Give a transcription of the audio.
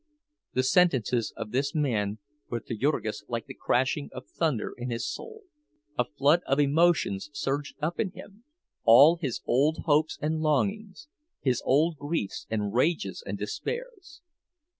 The sentences of this man were to Jurgis like the crashing of thunder in his soul; a flood of emotions surged up in him—all his old hopes and longings, his old griefs and rages and despairs.